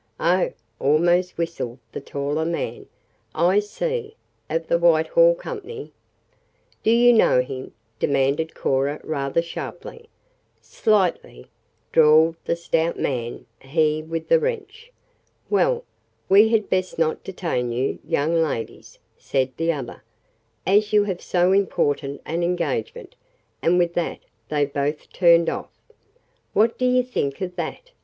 "Oh!" almost whistled the taller man. "I see; of the Whitehall Company?" "Do you know him?" demanded Cora rather sharply. "Slight ly," drawled the stout man, he with the wrench. "Well, we had best not detain you, young ladies," said the other, "as you have so important an engagement," and with that they both turned off. "What do you think of that?"